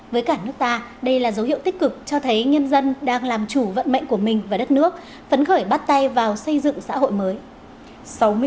với cả nước ta đây là dấu hiệu tích cực cho thấy nhân dân đang làm chủ vận mệnh của mình và đất nước phấn khởi bắt tay vào xây dựng xã hội mới